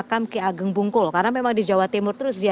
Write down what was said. jadi jujur oke epic pada saat ini